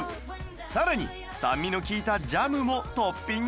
更に酸味の利いたジャムもトッピング